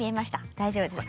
大丈夫です。